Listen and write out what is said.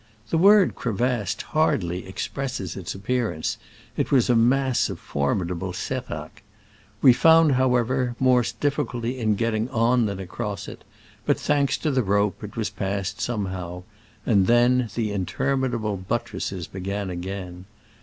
The word crevassed hardly expresses its appear ance : it was a mass of formidable seracs. We found, however, more dif ficulty in getting on than across it, but, thanks to the rope, it was passed some how : then the interminable buttresses began again.